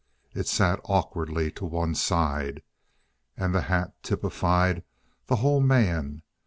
It sat awkwardly to one side. And the hat typified the whole man.